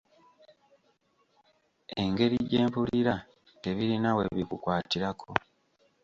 Engeri gy’empulira tebirina we bikukwatirako.